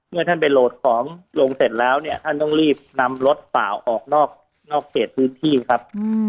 เมื่อท่านไปโหลดของลงเสร็จแล้วเนี่ยท่านต้องรีบนำรถเปล่าออกนอกเขตพื้นที่ครับ